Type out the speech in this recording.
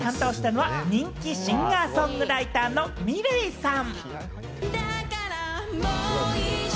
エンディングテーマを担当したのは人気シンガー・ソングライターのｍｉｌｅｔさん。